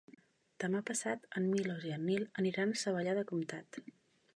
Demà passat en Milos i en Nil aniran a Savallà del Comtat.